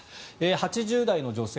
８０代の女性